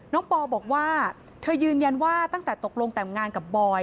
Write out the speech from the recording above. ปอบอกว่าเธอยืนยันว่าตั้งแต่ตกลงแต่งงานกับบอย